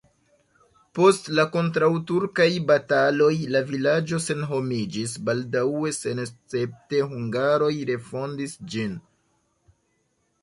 Post la kontraŭturkaj bataloj la vilaĝo senhomiĝis, baldaŭe senescepte hungaroj refondis ĝin.